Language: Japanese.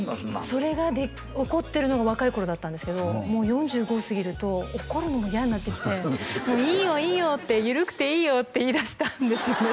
それが怒ってるのが若い頃だったんですけどもう４５過ぎると怒るのも嫌になってきて「もういいよいいよ」って「緩くていいよ」って言いだしたんですよね